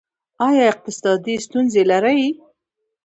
ایا اقتصادي ستونزې لرئ؟